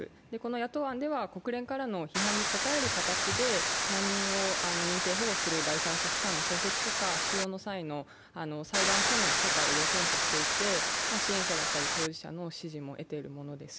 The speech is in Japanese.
野党案では国連からの批判に応える形で難民を認定保護する第三者機関の創設とか裁判所の許可を要件としていて支援者だったり当事者の支援も得ているものです。